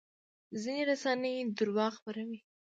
ځینې رسنۍ درواغ خپروي.